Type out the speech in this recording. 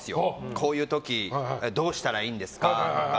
こういう時どうしたらいいんですかとか。